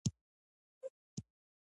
خاصو اجتماعي شرایطو محصول دی.